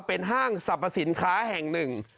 เป็นห้างสรรพสินค้าแห่งหนึ่ง